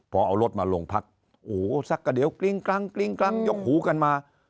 พอเอารถมาลงพักโหสักกระเดียวกลิ้งกลางยกหูกันมา